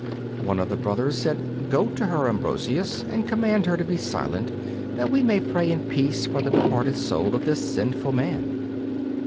One of the brothers said: 'Go to her, Ambrosius, and command her to be silent that we may pray in peace for the departed soul of this sinful man.